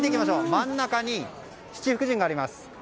真ん中に七福神があります。